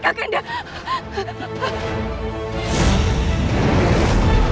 kak kanda patience